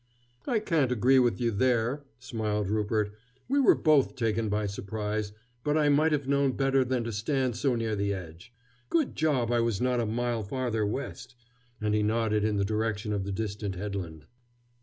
"I can't agree with you there," smiled Rupert. "We were both taken by surprise, but I might have known better than to stand so near the edge. Good job I was not a mile farther west," and he nodded in the direction of the distant headland.